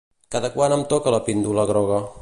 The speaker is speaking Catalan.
Cada quant em toca la píndola groga?